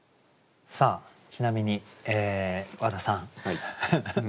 さあちなみに和田さん。